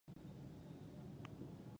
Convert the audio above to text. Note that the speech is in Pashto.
و هغه یې روغ رمټ له خولې وغورځاوه.